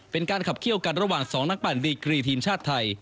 เป็นการขับเคี่ยวกันระหว่าง๒นักปั่นดีกรีทีมชาติไทย